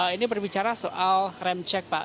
ini berbicara soal rem cek pak